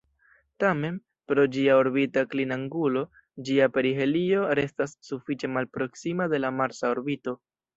Tamen, pro ĝia orbita klinangulo, ĝia perihelio restas sufiĉe malproksima de la marsa orbito.